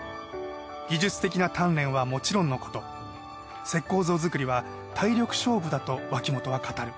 技術的な鍛錬はもちろんのこと石膏像作りは体力勝負だと脇本は語る。